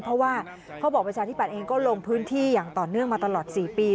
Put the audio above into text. เพราะว่าเขาบอกประชาธิบัตย์เองก็ลงพื้นที่อย่างต่อเนื่องมาตลอด๔ปี